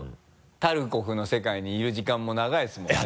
タルコフの世界にいる時間も長いですもんね。